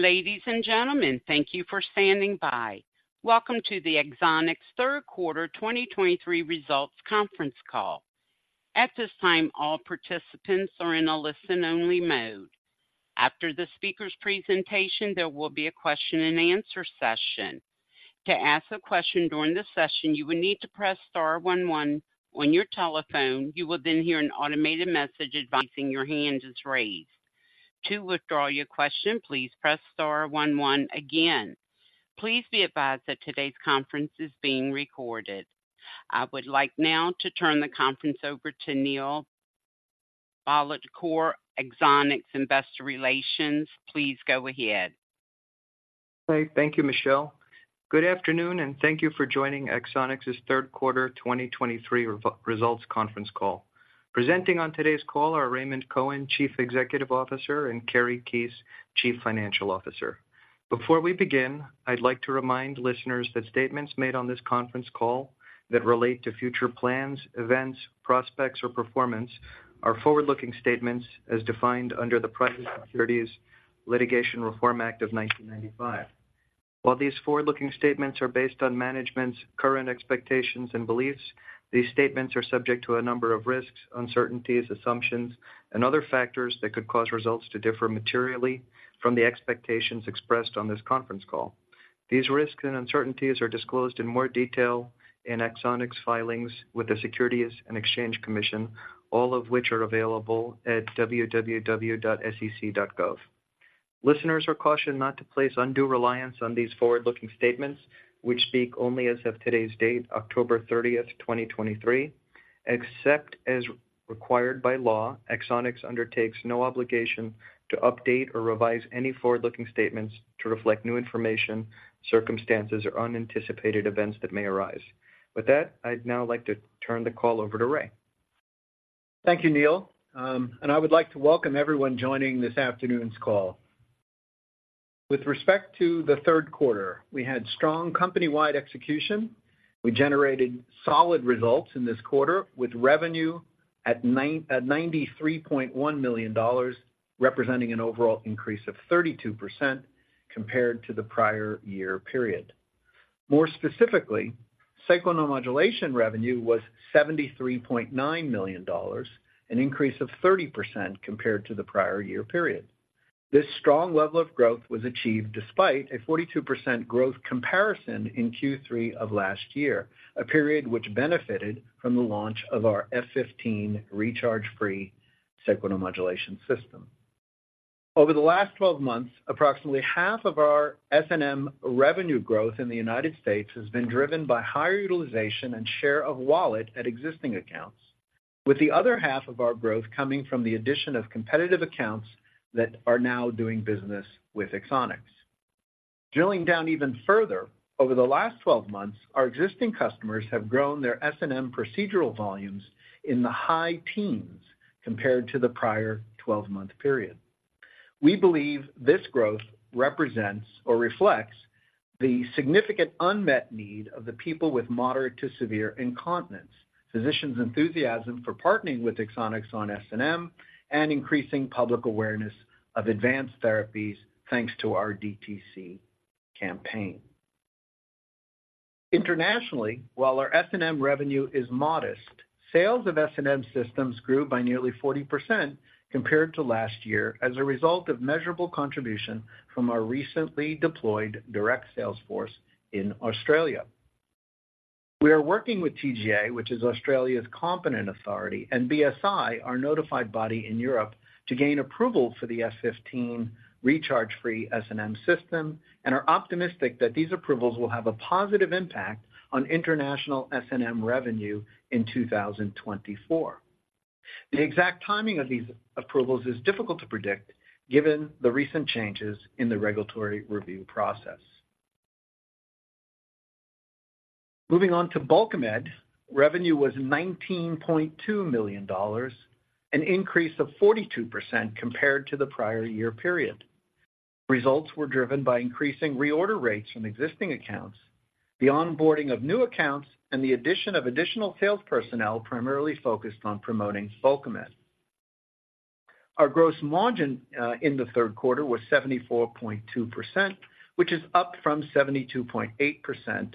Ladies and gentlemen, thank you for standing by. Welcome to the Axonics third quarter 2023 results conference call. At this time, all participants are in a listen-only mode. After the speaker's presentation, there will be a question-and-answer session. To ask a question during the session, you will need to press star one one on your telephone. You will then hear an automated message advising your hand is raised. To withdraw your question, please press star one one again. Please be advised that today's conference is being recorded. I would like now to turn the conference over to Neil Bhalodkar, Axonics Investor Relations. Please go ahead. Hey, thank you, Michelle. Good afternoon, and thank you for joining Axonics' third quarter 2023 results conference call. Presenting on today's call are Raymond Cohen, Chief Executive Officer, and Kari Keese, Chief Financial Officer. Before we begin, I'd like to remind listeners that statements made on this conference call that relate to future plans, events, prospects, or performance are forward-looking statements as defined under the Private Securities Litigation Reform Act of 1995. While these forward-looking statements are based on management's current expectations and beliefs, these statements are subject to a number of risks, uncertainties, assumptions, and other factors that could cause results to differ materially from the expectations expressed on this conference call. These risks and uncertainties are disclosed in more detail in Axonics' filings with the Securities and Exchange Commission, all of which are available at www.sec.gov. Listeners are cautioned not to place undue reliance on these forward-looking statements, which speak only as of today's date, October 30, 2023. Except as required by law, Axonics undertakes no obligation to update or revise any forward-looking statements to reflect new information, circumstances, or unanticipated events that may arise. With that, I'd now like to turn the call over to Ray. Thank you, Neil, and I would like to welcome everyone joining this afternoon's call. With respect to the third quarter, we had strong company-wide execution. We generated solid results in this quarter, with revenue at $93.1 million, representing an overall increase of 32% compared to the prior year period. More specifically, sacral neuromodulation revenue was $73.9 million, an increase of 30% compared to the prior year period. This strong level of growth was achieved despite a 42% growth comparison in Q3 of last year, a period which benefited from the launch of our F15 recharge-free sacral neuromodulation system. Over the last 12 months, approximately half of our SNM revenue growth in the United States has been driven by higher utilization and share of wallet at existing accounts, with the other half of our growth coming from the addition of competitive accounts that are now doing business with Axonics. Drilling down even further, over the last 12 months, our existing customers have grown their SNM procedural volumes in the high teens compared to the prior 12-month period. We believe this growth represents or reflects the significant unmet need of the people with moderate to severe incontinence, physicians' enthusiasm for partnering with Axonics on SNM, and increasing public awareness of advanced therapies, thanks to our DTC campaign. Internationally, while our SNM revenue is modest, sales of SNM systems grew by nearly 40% compared to last year as a result of measurable contribution from our recently deployed direct sales force in Australia. We are working with TGA, which is Australia's competent authority, and BSI, our notified body in Europe, to gain approval for the F15 recharge-free SNM system and are optimistic that these approvals will have a positive impact on international SNM revenue in 2024. The exact timing of these approvals is difficult to predict, given the recent changes in the regulatory review process. Moving on to Bulkamid, revenue was $19.2 million, an increase of 42% compared to the prior year period. Results were driven by increasing reorder rates from existing accounts, the onboarding of new accounts, and the addition of additional sales personnel primarily focused on promoting Bulkamid. Our gross margin in the third quarter was 74.2%, which is up from 72.8%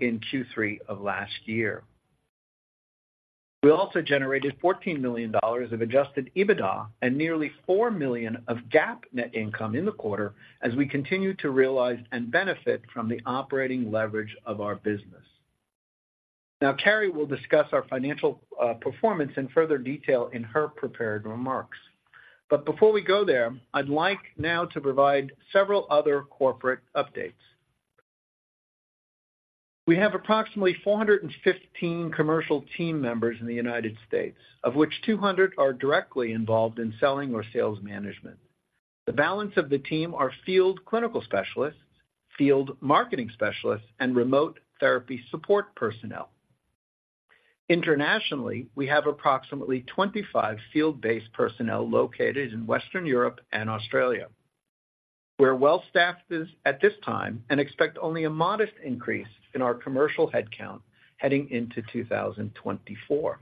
in Q3 of last year. We also generated $14 million of adjusted EBITDA and nearly $4 million of GAAP net income in the quarter as we continue to realize and benefit from the operating leverage of our business. Now, Kari will discuss our financial performance in further detail in her prepared remarks. But before we go there, I'd like now to provide several other corporate updates. We have approximately 415 commercial team members in the United States, of which 200 are directly involved in selling or sales management. The balance of the team are field clinical specialists, field marketing specialists, and remote therapy support personnel. Internationally, we have approximately 25 field-based personnel located in Western Europe and Australia. We're well-staffed at this time and expect only a modest increase in our commercial headcount heading into 2024.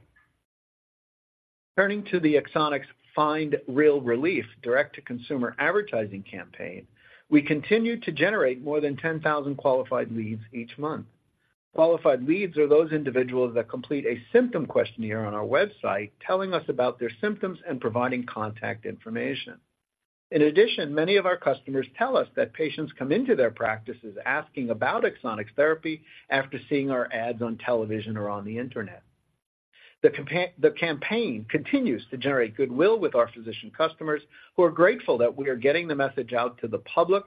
Turning to the Axonics Find Real Relief direct-to-consumer advertising campaign, we continue to generate more than 10,000 qualified leads each month. Qualified leads are those individuals that complete a symptom questionnaire on our website, telling us about their symptoms and providing contact information. In addition, many of our customers tell us that patients come into their practices asking about Axonics therapy after seeing our ads on television or on the Internet. The campaign continues to generate goodwill with our physician customers, who are grateful that we are getting the message out to the public,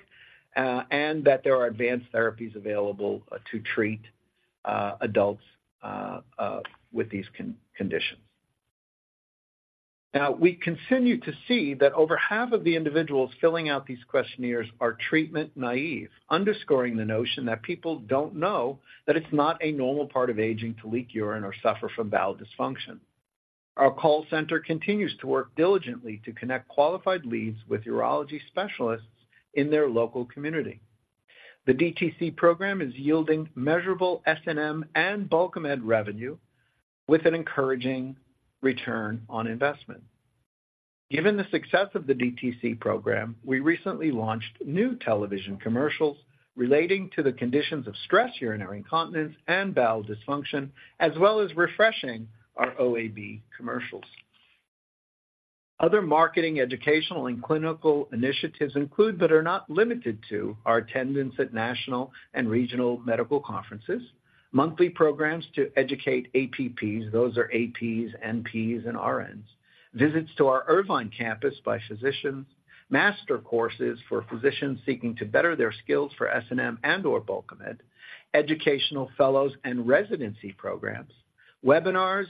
and that there are advanced therapies available to treat with these conditions. Now, we continue to see that over half of the individuals filling out these questionnaires are treatment naive, underscoring the notion that people don't know that it's not a normal part of aging to leak urine or suffer from bowel dysfunction. Our call center continues to work diligently to connect qualified leads with urology specialists in their local community. The DTC program is yielding measurable SNM and Bulkamid revenue with an encouraging return on investment. Given the success of the DTC program, we recently launched new television commercials relating to the conditions of stress urinary incontinence, and bowel dysfunction, as well as refreshing our OAB commercials. Other marketing, educational, and clinical initiatives include, but are not limited to, our attendance at national and regional medical conferences, monthly programs to educate APPs, those are APs, NPs, and RNs. Visits to our Irvine campus by physicians, master courses for physicians seeking to better their skills for SNM and/or Bulkamid, educational fellows and residency programs, webinars,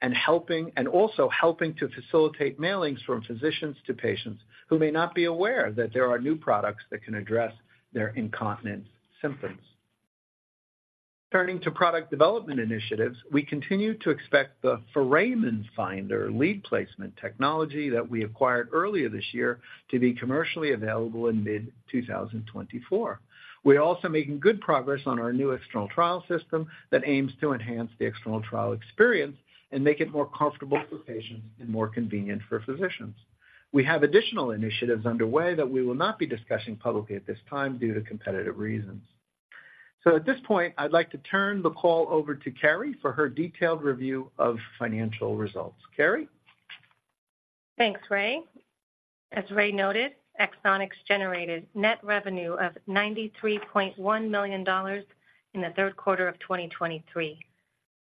and helping to facilitate mailings from physicians to patients who may not be aware that there are new products that can address their incontinence symptoms. Turning to product development initiatives, we continue to expect the Foramen Finder lead placement technology that we acquired earlier this year to be commercially available in mid-2024. We're also making good progress on our new external trial system that aims to enhance the external trial experience and make it more comfortable for patients and more convenient for physicians. We have additional initiatives underway that we will not be discussing publicly at this time due to competitive reasons. At this point, I'd like to turn the call over to Kari for her detailed review of financial results. Kari? Thanks, Ray. As Ray noted, Axonics generated net revenue of $93.1 million in the third quarter of 2023.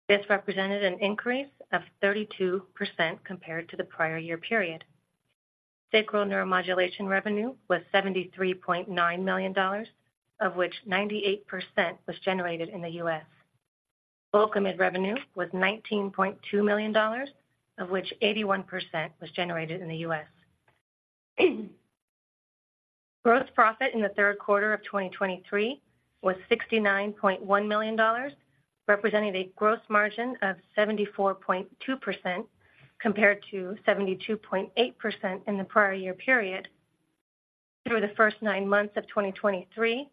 This represented an increase of 32% compared to the prior year period. Sacral neuromodulation revenue was $73.9 million, of which 98% was generated in the U.S. Bulkamid revenue was $19.2 million, of which 81% was generated in the U.S. Gross profit in the third quarter of 2023 was $69.1 million, representing a gross margin of 74.2%, compared to 72.8% in the prior year period. Through the first nine months of 2023,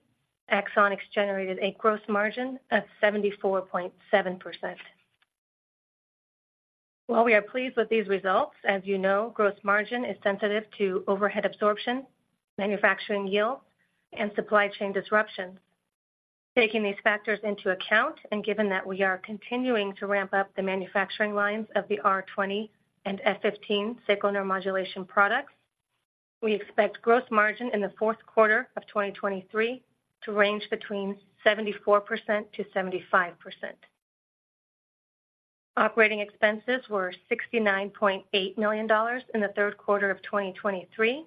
Axonics generated a gross margin of 74.7%. While we are pleased with these results, as you know, gross margin is sensitive to overhead absorption, manufacturing yield, and supply chain disruptions. Taking these factors into account and given that we are continuing to ramp up the manufacturing lines of the R20 and F15 sacral neuromodulation products, we expect gross margin in the fourth quarter of 2023 to range between 74%-75%. Operating expenses were $69.8 million in the third quarter of 2023.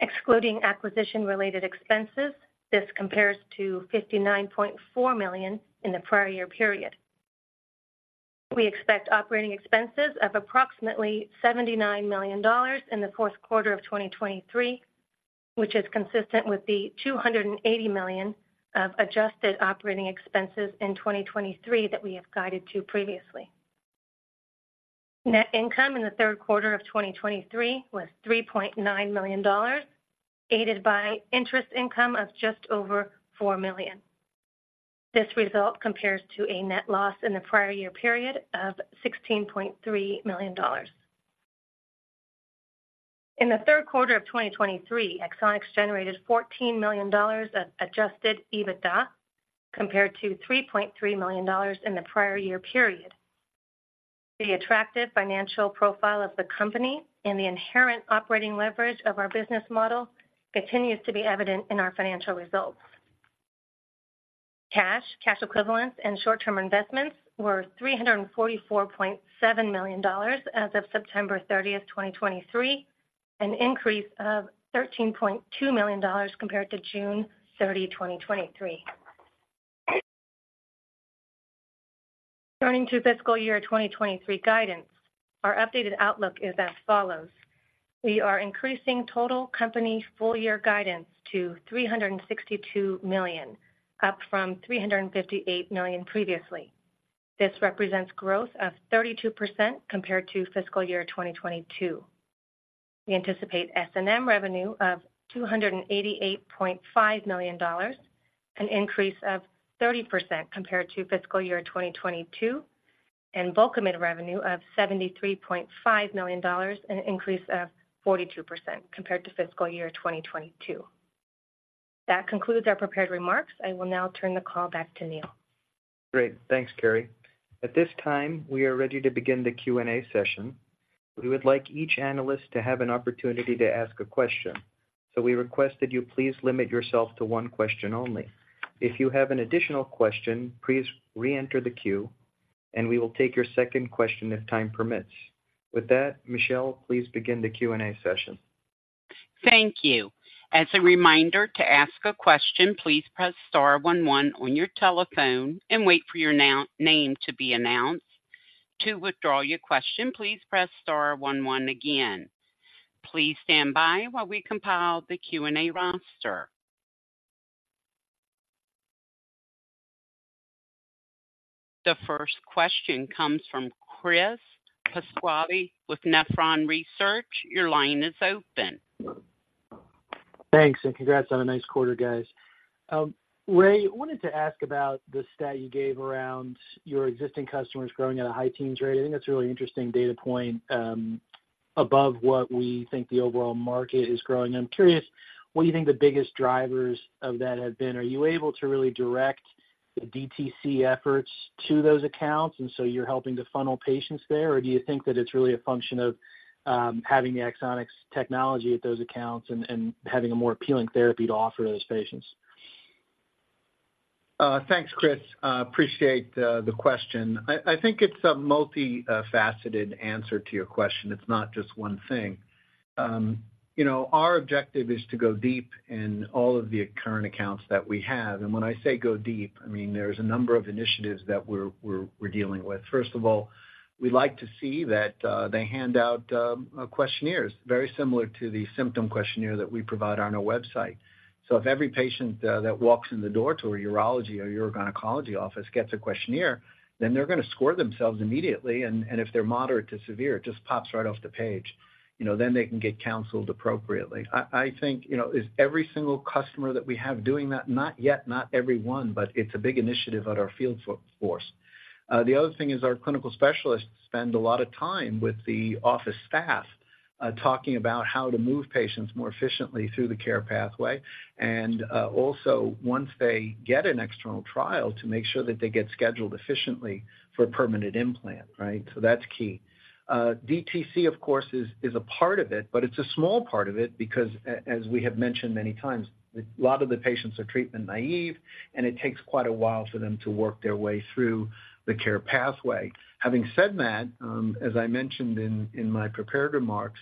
Excluding acquisition-related expenses, this compares to $59.4 million in the prior year period. We expect operating expenses of approximately $79 million in the fourth quarter of 2023, which is consistent with the $280 million of adjusted operating expenses in 2023 that we have guided to previously. Net income in the third quarter of 2023 was $3.9 million, aided by interest income of just over $4 million. This result compares to a net loss in the prior year period of $16.3 million. In the third quarter of 2023, Axonics generated $14 million of Adjusted EBITDA, compared to $3.3 million in the prior year period. The attractive financial profile of the company and the inherent operating leverage of our business model continues to be evident in our financial results. Cash, cash equivalents, and short-term investments were $344.7 million as of September 30, 2023, an increase of $13.2 million compared to June 30, 2023. Turning to fiscal year 2023 guidance, our updated outlook is as follows: We are increasing total company full-year guidance to $362 million, up from $358 million previously. This represents growth of 32% compared to fiscal year 2022. ... We anticipate SNM revenue of $288.5 million, an increase of 30% compared to fiscal year 2022, and Bulkamid revenue of $73.5 million, an increase of 42% compared to fiscal year 2022. That concludes our prepared remarks. I will now turn the call back to Neil. Great. Thanks, Kari. At this time, we are ready to begin the Q&A session. We would like each analyst to have an opportunity to ask a question, so we request that you please limit yourself to one question only. If you have an additional question, please reenter the queue, and we will take your second question if time permits. With that, Michelle, please begin the Q&A session. Thank you. As a reminder to ask a question, please press star one one on your telephone and wait for your name to be announced. To withdraw your question, please press star one one again. Please stand by while we compile the Q&A roster. The first question comes from Chris Pasquale with Nephron Research. Your line is open. Thanks, and congrats on a nice quarter, guys. Ray, I wanted to ask about the stat you gave around your existing customers growing at a high-teens rate. I think that's a really interesting data point, above what we think the overall market is growing. I'm curious, what do you think the biggest drivers of that have been? Are you able to really direct the DTC efforts to those accounts, and so you're helping to funnel patients there? Or do you think that it's really a function of, having the Axonics technology at those accounts and, and having a more appealing therapy to offer those patients? Thanks, Chris. Appreciate the question. I think it's a multi-faceted answer to your question. It's not just one thing. You know, our objective is to go deep in all of the current accounts that we have. And when I say go deep, I mean, there's a number of initiatives that we're dealing with. First of all, we'd like to see that they hand out questionnaires, very similar to the symptom questionnaire that we provide on our website. So if every patient that walks in the door to a urology or urogynecology office gets a questionnaire, then they're gonna score themselves immediately, and if they're moderate to severe, it just pops right off the page. You know, then they can get counseled appropriately. I think, you know, is every single customer that we have doing that? Not yet, not everyone, but it's a big initiative at our field force. The other thing is our clinical specialists spend a lot of time with the office staff, talking about how to move patients more efficiently through the care pathway. And also, once they get an external trial, to make sure that they get scheduled efficiently for a permanent implant, right? So that's key. DTC, of course, is a part of it, but it's a small part of it because as we have mentioned many times, a lot of the patients are treatment naive, and it takes quite a while for them to work their way through the care pathway. Having said that, as I mentioned in my prepared remarks,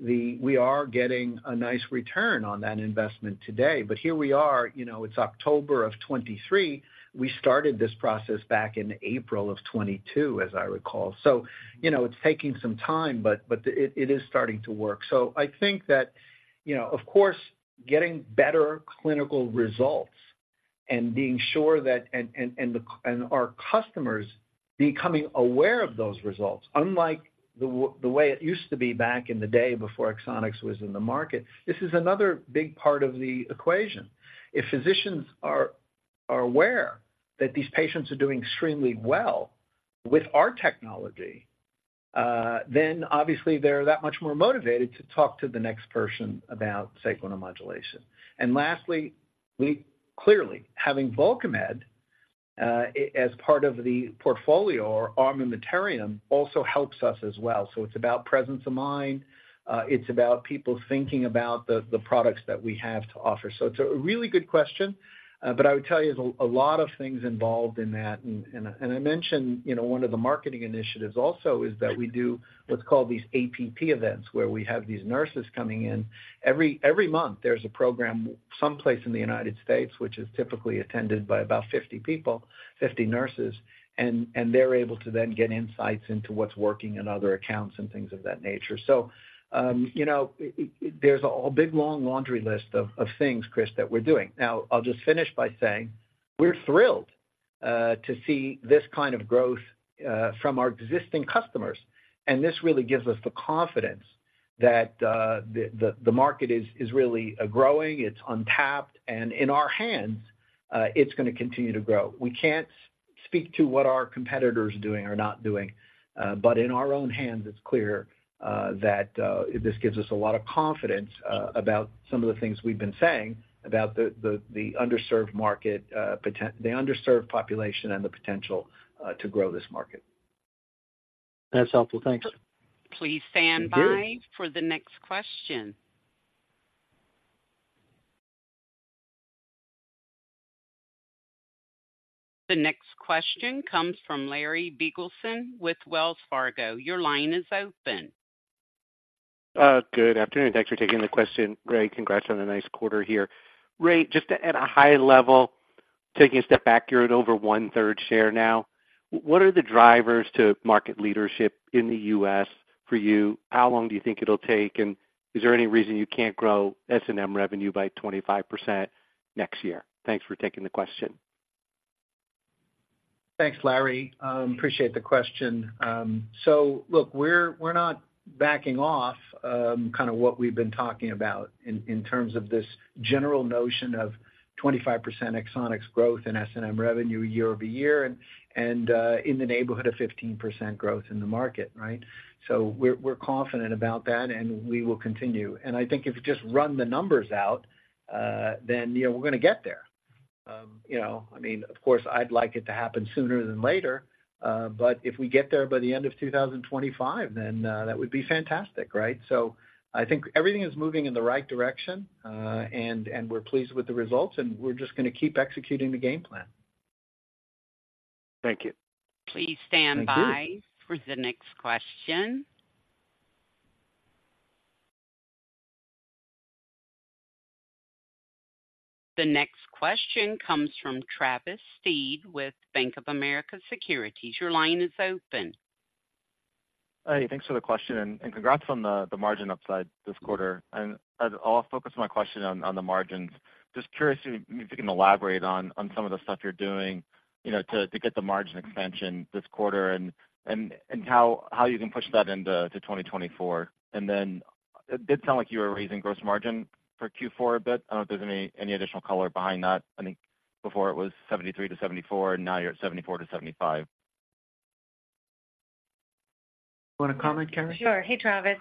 we are getting a nice return on that investment today. But here we are, you know, it's October of 2023. We started this process back in April 2022, as I recall. So, you know, it's taking some time, but it is starting to work. So I think that, you know, of course, getting better clinical results and being sure that and our customers becoming aware of those results, unlike the way it used to be back in the day before Axonics was in the market, this is another big part of the equation. If physicians are aware that these patients are doing extremely well with our technology, then obviously, they're that much more motivated to talk to the next person about sacral neuromodulation. And lastly, we clearly having Bulkamid as part of the portfolio or armamentarium, also helps us as well. It's about presence of mind. It's about people thinking about the products that we have to offer. It's a really good question, but I would tell you, there's a lot of things involved in that. And I mentioned, you know, one of the marketing initiatives also is that we do what's called these APP events, where we have these nurses coming in. Every month, there's a program someplace in the United States, which is typically attended by about 50 people, 50 nurses, and they're able to then get insights into what's working in other accounts and things of that nature. You know, there's a big, long laundry list of things, Chris, that we're doing. Now, I'll just finish by saying, we're thrilled to see this kind of growth from our existing customers, and this really gives us the confidence that the market is really growing, it's untapped, and in our hands, it's gonna continue to grow. We can't speak to what our competitors are doing or not doing, but in our own hands, it's clear that this gives us a lot of confidence about some of the things we've been saying about the underserved market, the underserved population and the potential to grow this market. That's helpful. Thanks. Please stand by. Thank you. - for the next question. The next question comes from Larry Biegelsen with Wells Fargo. Your line is open. Good afternoon. Thanks for taking the question. Ray, congrats on a nice quarter here. Ray, just at a high level, taking a step back, you're at over one-third share now. What are the drivers to market leadership in the U.S. for you? How long do you think it'll take? And is there any reason you can't grow SNM revenue by 25% next year? Thanks for taking the question. Thanks, Larry. Appreciate the question. So look, we're, we're not backing off, kind of what we've been talking about in, in terms of this general notion of 25% Axonics growth in SNM revenue year-over-year, and, and, in the neighborhood of 15% growth in the market, right? So we're, we're confident about that, and we will continue. And I think if you just run the numbers out, then, you know, we're gonna get there. You know, I mean, of course, I'd like it to happen sooner than later, but if we get there by the end of 2025, then, that would be fantastic, right? So I think everything is moving in the right direction, and, and we're pleased with the results, and we're just gonna keep executing the game plan. Thank you. Please stand by. Thank you. For the next question. The next question comes from Travis Steed with Bank of America Securities. Your line is open. Hi, thanks for the question, and congrats on the margin upside this quarter. And I'll focus my question on the margins. Just curious if you can elaborate on some of the stuff you're doing, you know, to get the margin expansion this quarter and how you can push that into 2024. And then it did sound like you were raising gross margin for Q4 a bit. I don't know if there's any additional color behind that. I think before it was 73%-74%, and now you're at 74%-75%. You want to comment, Kari? Sure. Hey, Travis.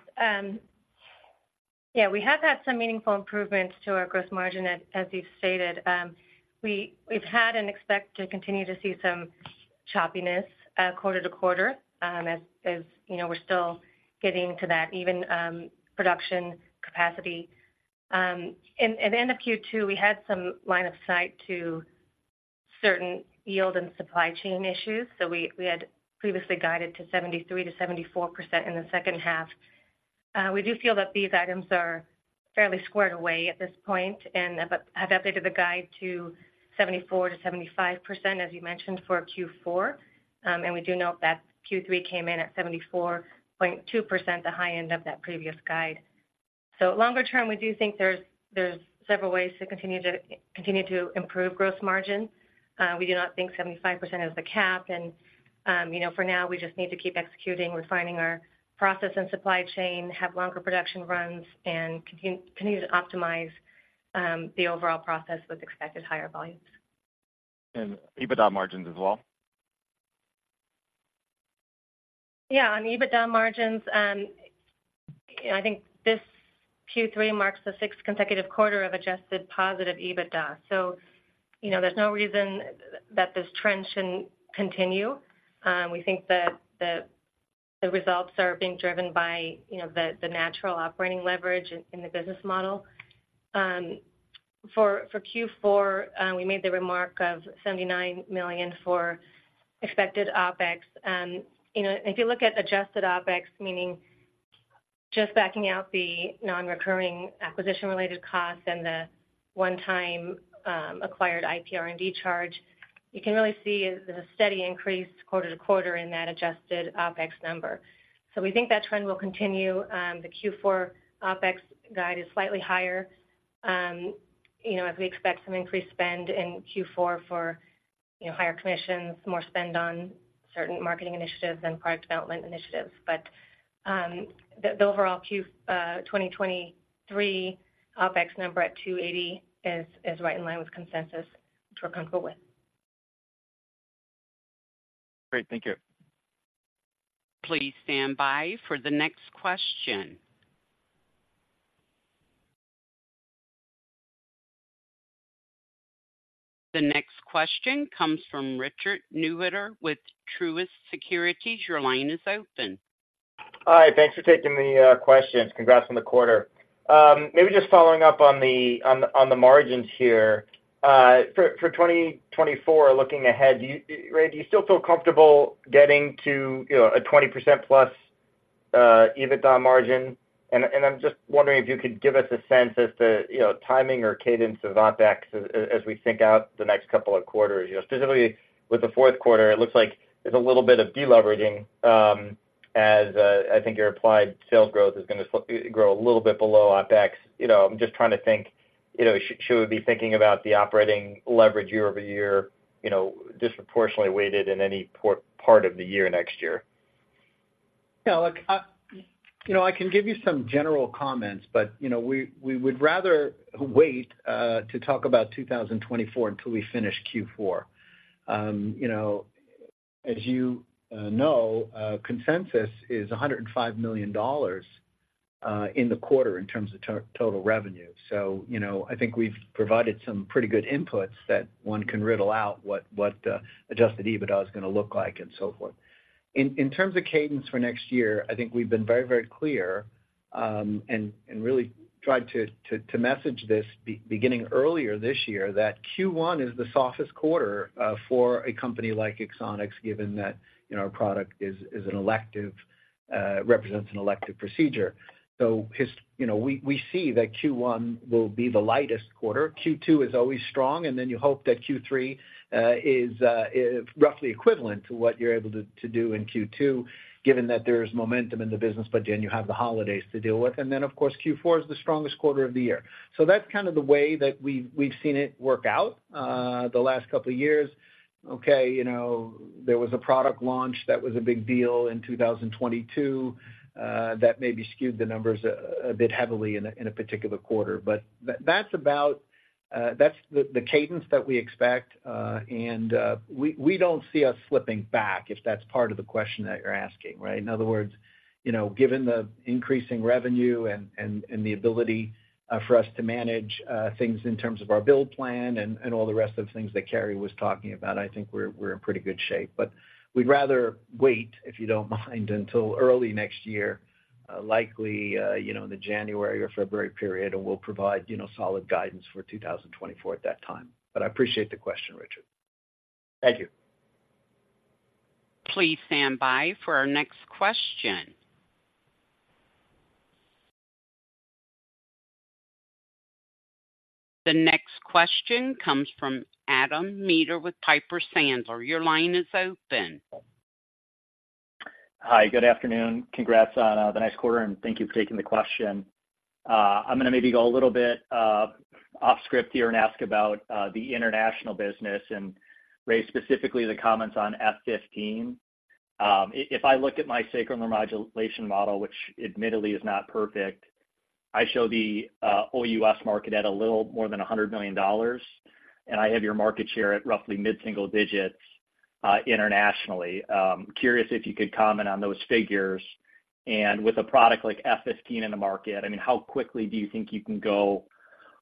Yeah, we have had some meaningful improvements to our gross margin, as you've stated. We've had and expect to continue to see some choppiness quarter to quarter, as you know, we're still getting to that even production capacity. And at the end of Q2, we had some line of sight to certain yield and supply chain issues, so we had previously guided to 73%-74% in the second half. We do feel that these items are fairly squared away at this point and have updated the guide to 74%-75%, as you mentioned, for Q4. And we do note that Q3 came in at 74.2%, the high end of that previous guide. Longer term, we do think there's several ways to continue to improve gross margin. We do not think 75% is the cap. You know, for now, we just need to keep executing, refining our process and supply chain, have longer production runs, and continue to optimize the overall process with expected higher volumes. EBITDA margins as well? Yeah, on EBITDA margins, I think this Q3 marks the sixth consecutive quarter of adjusted positive EBITDA. So, you know, there's no reason that this trend shouldn't continue. We think that the results are being driven by, you know, the natural operating leverage in the business model. For Q4, we made the remark of $79 million for expected OpEx. You know, if you look at adjusted OpEx, meaning just backing out the nonrecurring acquisition-related costs and the one-time, acquired IPR&D charge, you can really see is the steady increase quarter to quarter in that adjusted OpEx number. So we think that trend will continue. The Q4 OpEx guide is slightly higher, you know, as we expect some increased spend in Q4 for, you know, higher commissions, more spend on certain marketing initiatives and product development initiatives. The overall Q 2023 OpEx number at $280 is right in line with consensus, which we're comfortable with. Great. Thank you. Please stand by for the next question. The next question comes from Richard Newitter with Truist Securities. Your line is open. Hi, thanks for taking the questions. Congrats on the quarter. Maybe just following up on the margins here. For 2024, looking ahead, do you—Ray, do you still feel comfortable getting to, you know, a 20%+ EBITDA margin? And I'm just wondering if you could give us a sense as to, you know, timing or cadence of OpEx as we think out the next couple of quarters. You know, specifically with the fourth quarter, it looks like there's a little bit of deleveraging, as I think your applied sales growth is gonna grow a little bit below OpEx. You know, I'm just trying to think, you know, should we be thinking about the operating leverage year-over-year, you know, disproportionately weighted in any part of the year next year? Yeah, look, you know, I can give you some general comments, but, you know, we would rather wait to talk about 2024 until we finish Q4. You know, as you know, consensus is $105 million in the quarter in terms of total revenue. So, you know, I think we've provided some pretty good inputs that one can riddle out what adjusted EBITDA is gonna look like and so forth. In terms of cadence for next year, I think we've been very, very clear, and really tried to message this beginning earlier this year, that Q1 is the softest quarter for a company like Axonics, given that, you know, our product is an elective, represents an elective procedure. So you know, we see that Q1 will be the lightest quarter. Q2 is always strong, and then you hope that Q3 is roughly equivalent to what you're able to do in Q2, given that there is momentum in the business, but then you have the holidays to deal with. And then, of course, Q4 is the strongest quarter of the year. So that's kind of the way that we've seen it work out the last couple of years. Okay, you know, there was a product launch that was a big deal in 2022 that maybe skewed the numbers a bit heavily in a particular quarter. But that's about...... That's the cadence that we expect, and we don't see us slipping back, if that's part of the question that you're asking, right? In other words, you know, given the increasing revenue and the ability for us to manage things in terms of our build plan and all the rest of the things that Kari was talking about, I think we're in pretty good shape. But we'd rather wait, if you don't mind, until early next year, likely, you know, in the January or February period, and we'll provide, you know, solid guidance for 2024 at that time. But I appreciate the question, Richard. Thank you. Please stand by for our next question. The next question comes from Adam Maeder with Piper Sandler. Your line is open. Hi, good afternoon. Congrats on the nice quarter, and thank you for taking the question. I'm gonna maybe go a little bit off script here and ask about the international business and raise specifically the comments on F15. If I look at my sacral neuromodulation model, which admittedly is not perfect, I show the overall U.S. market at a little more than $100 million, and I have your market share at roughly mid-single digits internationally. Curious if you could comment on those figures. And with a product like F15 in the market, I mean, how quickly do you think you can go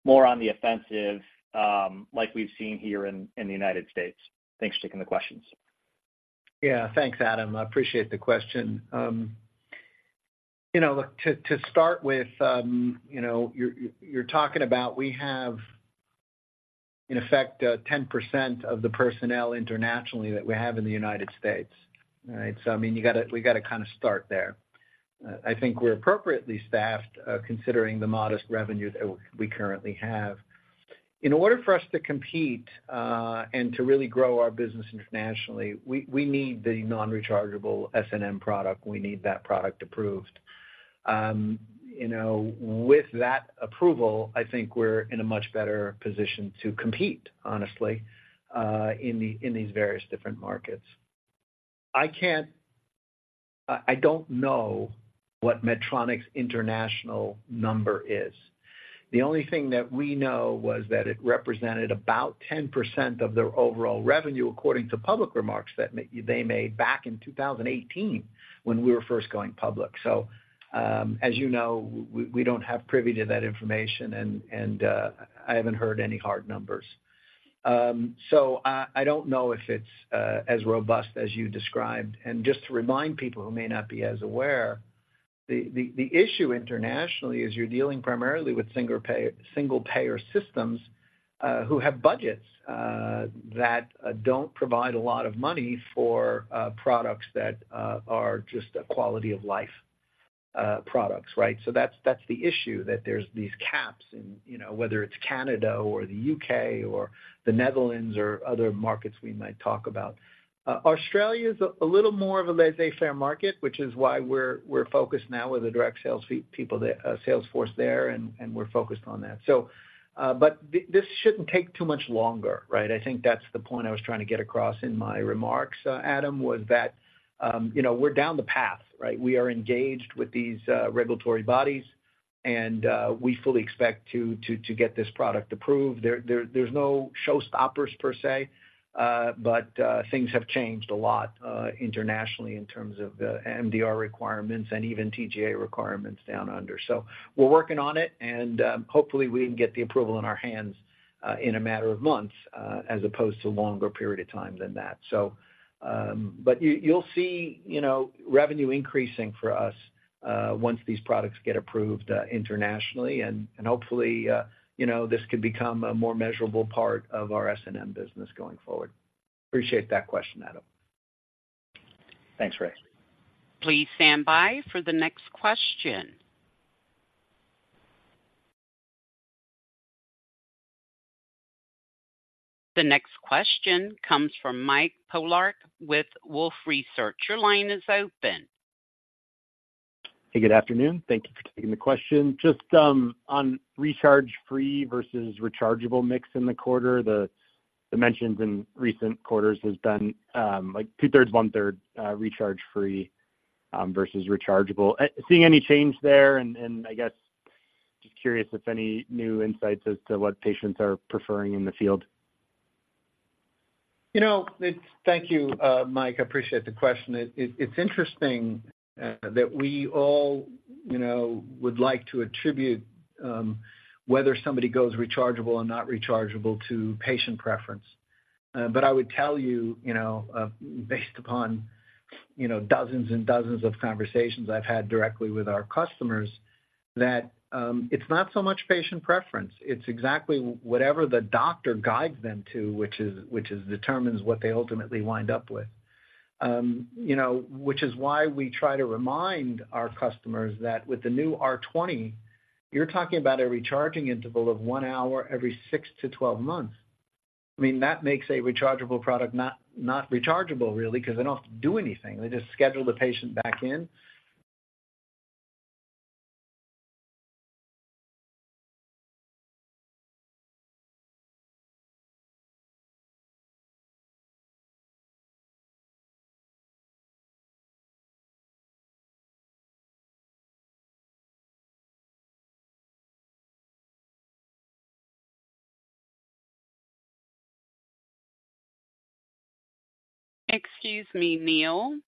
more on the offensive, like we've seen here in the United States? Thanks for taking the questions. Yeah. Thanks, Adam. I appreciate the question. You know, look, to start with, you know, you're talking about we have, in effect, 10% of the personnel internationally that we have in the United States, right? So, I mean, you gotta... We gotta kinda start there. I think we're appropriately staffed, considering the modest revenue that we currently have. In order for us to compete, and to really grow our business internationally, we need the non-rechargeable SNM product. We need that product approved. You know, with that approval, I think we're in a much better position to compete, honestly, in these various different markets. I can't. I don't know what Medtronic's international number is. The only thing that we know was that it represented about 10% of their overall revenue, according to public remarks that they made back in 2018 when we were first going public. So, as you know, we don't have privy to that information, and I haven't heard any hard numbers. So I don't know if it's as robust as you described. And just to remind people who may not be as aware, the issue internationally is you're dealing primarily with single payer systems who have budgets that don't provide a lot of money for products that are just a quality of life products, right? So that's the issue, that there's these caps in, you know, whether it's Canada or the U.K. or the Netherlands or other markets we might talk about. Australia's a little more of a laissez-faire market, which is why we're focused now with the direct sales force people there, sales force there, and we're focused on that. So, but this shouldn't take too much longer, right? I think that's the point I was trying to get across in my remarks, Adam, was that, you know, we're down the path, right? We are engaged with these regulatory bodies, and we fully expect to get this product approved. There's no showstoppers per se, but things have changed a lot internationally in terms of the MDR requirements and even TGA requirements down under. So we're working on it, and hopefully we can get the approval in our hands, in a matter of months, as opposed to a longer period of time than that. So, but you'll see, you know, revenue increasing for us, once these products get approved, internationally, and hopefully, you know, this could become a more measurable part of our SNM business going forward. Appreciate that question, Adam. Thanks, Ray. Please stand by for the next question. The next question comes from Mike Polark with Wolfe Research. Your line is open. Hey, good afternoon. Thank you for taking the question. Just on recharge free versus rechargeable mix in the quarter, the dimensions in recent quarters has been like 2/3, 1/3 recharge free versus rechargeable. Seeing any change there? I guess just curious if any new insights as to what patients are preferring in the field. You know, it's thank you, Mike, I appreciate the question. It's interesting that we all, you know, would like to attribute whether somebody goes rechargeable or not rechargeable to patient preference. But I would tell you, you know, based upon, you know, dozens and dozens of conversations I've had directly with our customers, that it's not so much patient preference, it's exactly whatever the doctor guides them to, which determines what they ultimately wind up with. You know, which is why we try to remind our customers that with the new R20, you're talking about a recharging interval of one hour every 6-12 months. I mean, that makes a rechargeable product not rechargeable, really, 'cause they don't have to do anything. They just schedule the patient back in. Excuse me, Neil?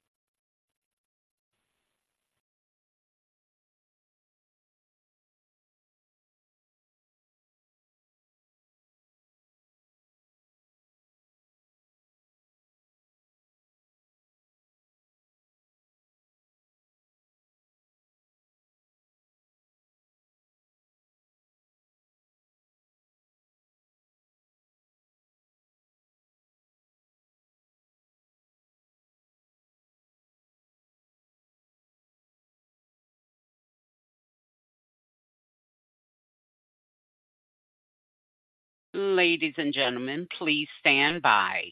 Ladies and gentlemen, please stand by.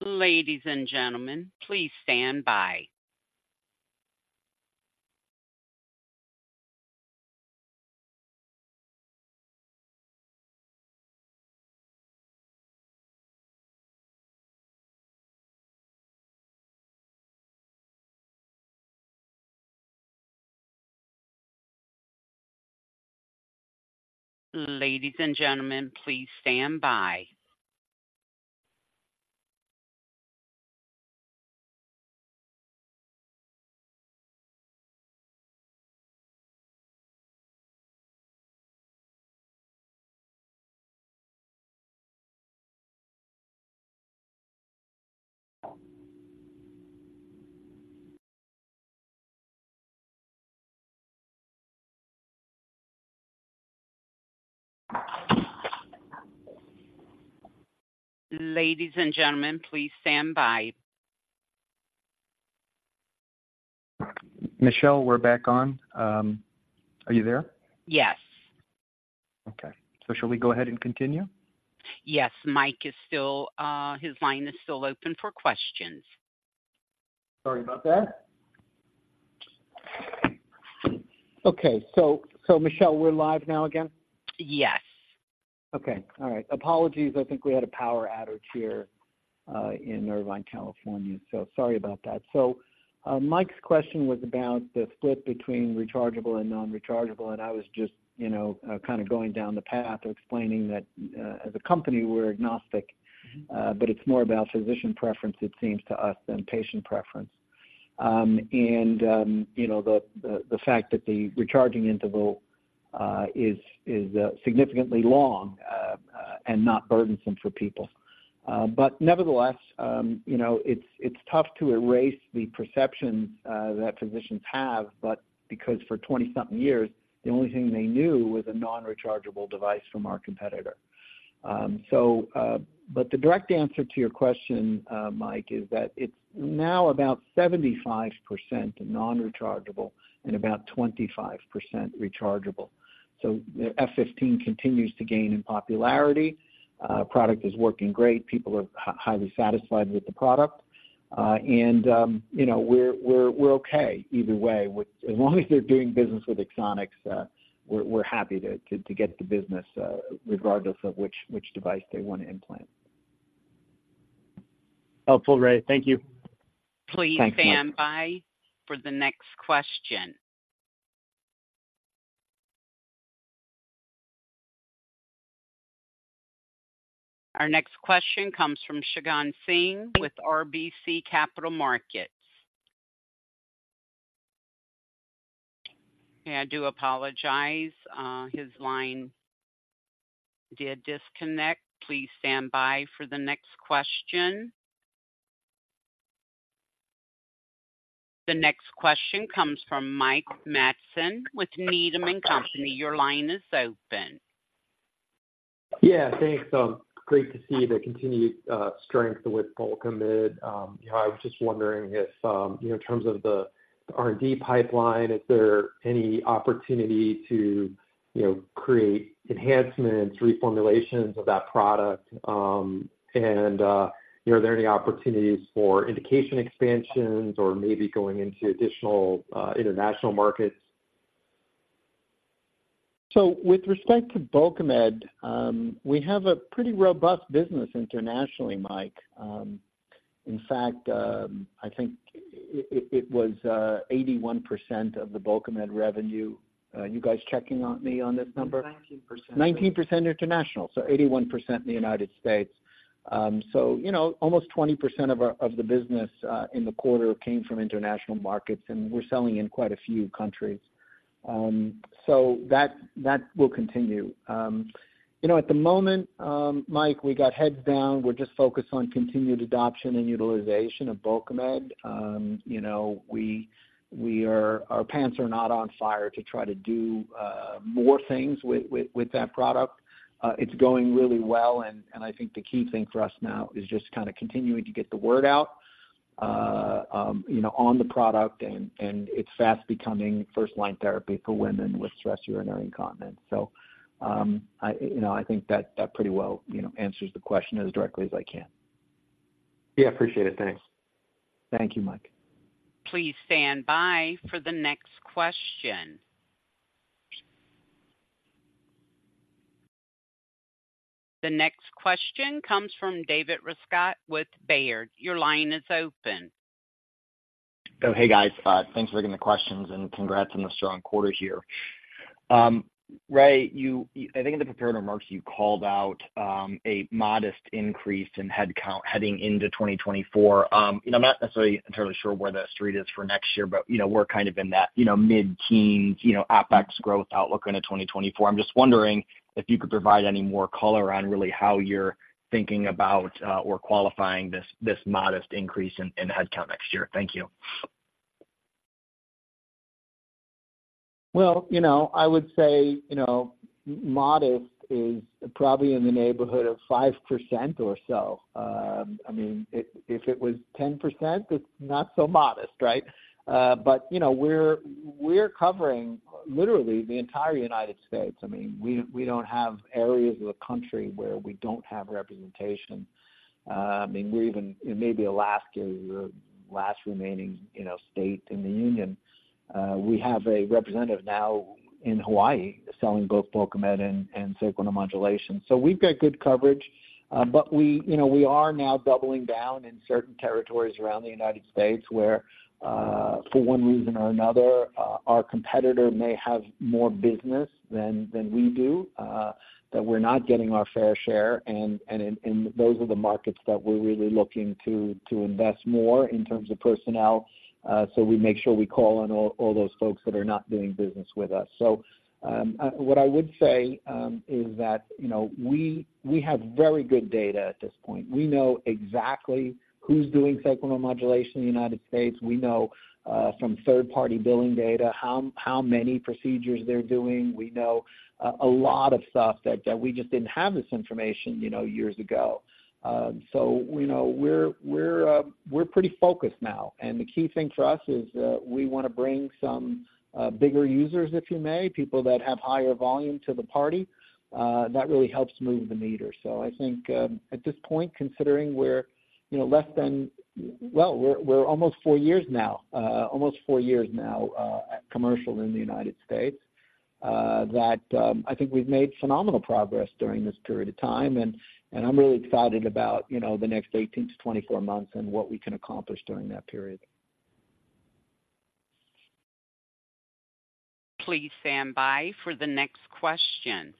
Ladies and gentlemen, please stand by. Ladies and gentlemen, please stand by. Ladies and gentlemen, please stand by. Michelle, we're back on. Are you there? Yes. Okay. Shall we go ahead and continue? Yes. Mike is still, his line is still open for questions. Sorry about that. Okay, so, so Michelle, we're live now again? Yes. Okay. All right. Apologies. I think we had a power outage here in Irvine, California. So sorry about that. So Mike's question was about the split between rechargeable and non-rechargeable, and I was just, you know, kind of going down the path of explaining that, as a company, we're agnostic, but it's more about physician preference, it seems to us, than patient preference. And, you know, the fact that the recharging interval is significantly long and not burdensome for people. But nevertheless, you know, it's tough to erase the perception that physicians have, but because for 20-something years, the only thing they knew was a non-rechargeable device from our competitor. But the direct answer to your question, Mike, is that it's now about 75% non-rechargeable and about 25% rechargeable. So the F15 continues to gain in popularity. Product is working great. People are highly satisfied with the product. And, you know, we're okay either way, with as long as they're doing business with Axonics, we're happy to get the business, regardless of which device they want to implant. Helpful, Ray. Thank you. Thanks, Mike. Please stand by for the next question. Our next question comes from Shagun Singh with RBC Capital Markets. I do apologize. His line did disconnect. Please stand by for the next question. The next question comes from Mike Matson with Needham & Company. Your line is open. Yeah, thanks. Great to see the continued strength with Bulkamid. I was just wondering if, you know, in terms of the R&D pipeline, is there any opportunity to, you know, create enhancements, reformulations of that product? And, you know, are there any opportunities for indication expansions or maybe going into additional international markets? So with respect to Bulkamid, we have a pretty robust business internationally, Mike. In fact, I think it was 81% of the Bulkamid revenue. You guys checking on me on this number? Nineteen percent. 19% international, so 81% in the United States. So, you know, almost 20% of our, of the business in the quarter came from international markets, and we're selling in quite a few countries. So that will continue. You know, at the moment, Mike, we got heads down. We're just focused on continued adoption and utilization of Bulkamid. You know, we, we are. Our pants are not on fire to try to do more things with, with, with that product. It's going really well, and, and I think the key thing for us now is just kind of continuing to get the word out, you know, on the product, and, and it's fast becoming first line therapy for women with stress urinary incontinence. So, you know, I think that pretty well, you know, answers the question as directly as I can. Yeah, appreciate it. Thanks. Thank you, Mike. Please stand by for the next question. The next question comes from David Rescott with Baird. Your line is open. Oh, hey, guys. Thanks for taking the questions, and congrats on the strong quarter here. Ray, I think in the prepared remarks, you called out a modest increase in headcount heading into 2024. You know, I'm not necessarily entirely sure where the street is for next year, but, you know, we're kind of in that, you know, mid-teens, you know, apex growth outlook into 2024. I'm just wondering if you could provide any more color on really how you're thinking about or qualifying this modest increase in headcount next year. Thank you. Well, you know, I would say, you know, modest is probably in the neighborhood of 5% or so. I mean, if it was 10%, it's not so modest, right? But you know, we're covering literally the entire United States. I mean, we don't have areas of the country where we don't have representation. I mean, we're even... And maybe Alaska, the last remaining, you know, state in the union. We have a representative now in Hawaii selling both Bulkamid and sacral neuromodulation. So we've got good coverage, but we, you know, we are now doubling down in certain territories around the United States, where, for one reason or another, our competitor may have more business than we do, that we're not getting our fair share, and those are the markets that we're really looking to invest more in terms of personnel. So we make sure we call on all those folks that are not doing business with us. So what I would say is that, you know, we have very good data at this point. We know exactly who's doing sacral neuromodulation in the United States. We know from third-party billing data, how many procedures they're doing. We know a lot of stuff that we just didn't have this information, you know, years ago. So you know, we're pretty focused now. And the key thing for us is we wanna bring some bigger users, if you may, people that have higher volume, to the party. That really helps move the meter. So I think at this point, considering we're, you know, less than—well, we're almost four years now at commercial in the United States, that I think we've made phenomenal progress during this period of time, and I'm really excited about, you know, the next 18-24 months and what we can accomplish during that period. Please stand by for the next question.